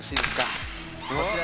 こちら。